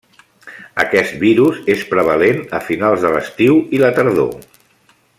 Aquest virus és prevalent a finals de l'estiu i la tardor.